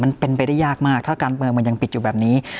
มันเป็นไปได้ยากมากถ้าการเมืองมันยังปิดอยู่แบบนี้